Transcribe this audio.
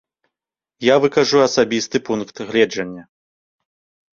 Я выкажу асабісты пункт гледжання.